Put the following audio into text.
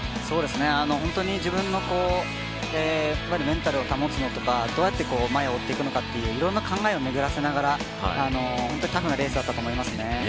自分のメンタルを保つのとかどうやって前を追っていくのかといういろんな考えを巡らせながら本当にタフなレースだったと思いますね。